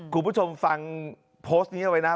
คุณผู้ชมฟังโพสต์นี้เอาไว้นะ